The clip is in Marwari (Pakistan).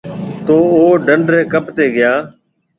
تو او ڊنڍ رَي ڪپ تي گيا۔